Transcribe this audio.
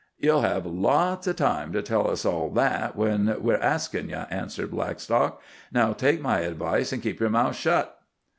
"Ye'll hev lots o' time to tell us all that when we're askin' ye," answered Blackstock. "Now, take my advice an' keep yer mouth shet."